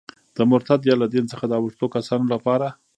د مرتد یا له دین څخه د اوښتو کسانو لپاره.